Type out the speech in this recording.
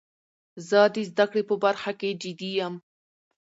زه د زده کړي په برخه کښي جدي یم.